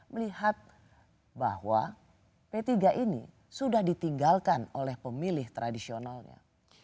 melihat bahwa p tiga ini sudah ditinggalkan oleh pemilih tradisionalnya